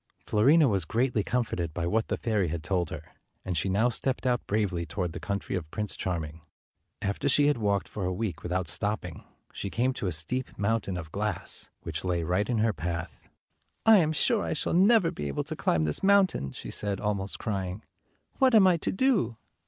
Fiorina was greatly comforted by what the fairy had told her, and she now stepped out bravely toward the country of Prince Charming. After she had walked for a week without stop ping, she came to a steep mountain of glass, which lay right in her path. " I am sure I shall never be able to climb this mountain," she said, almost crying. "What am I to do?"